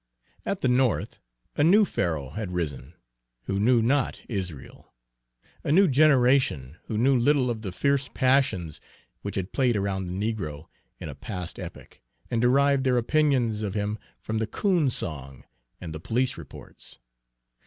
At the North, a new Pharaoh had risen, who knew not Israel, a new generation, who knew little of the fierce passions which had played around the negro in a past epoch, and derived their opinions of him from the "coon song" and the police reports.